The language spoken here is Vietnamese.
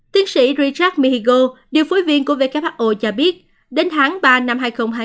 tiến sĩ richard mexico điều phối viên của who cho biết đến tháng ba năm hai nghìn hai mươi